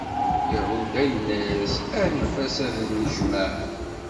Yahuda yenna-yas: Anef-as ad ten-tejmeɛ!